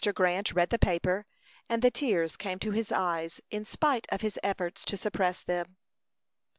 Grant read the paper, and the tears came to his eyes in spite of his efforts to suppress them.